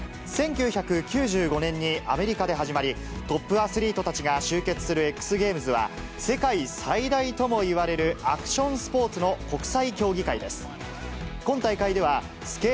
１９９５年にアメリカで始まり、トップアスリートたちが集結するＸＧａｍｅｓは世界最大ともいわれるアクションスポーツの国際競技会です。